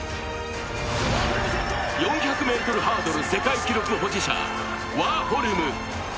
４００ｍハードル世界記録保持者ワーホルム。